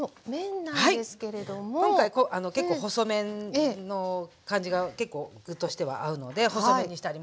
今回結構細麺の感じが結構具としては合うので細麺にしてあります。